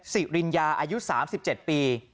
สิริญญาอายุ๓๗ปี